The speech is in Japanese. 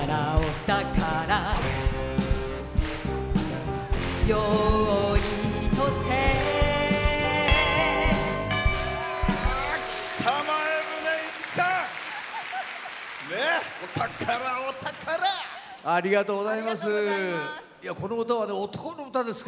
ありがとうございます。